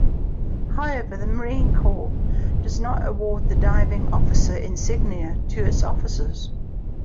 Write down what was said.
However, the Marine Corps does not award the diving officer insignia to its officers.